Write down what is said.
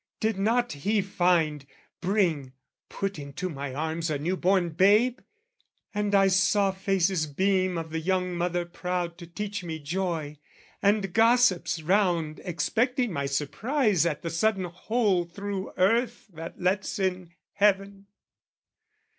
Did not he find, bring, put into my arms A new born babe? and I saw faces beam Of the young mother proud to teach me joy, And gossips round expecting my surprise At the sudden hole through earth that lets in heaven.